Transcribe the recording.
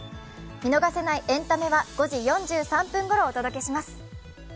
見逃せないエンタメは５時３４分ごろお届けします。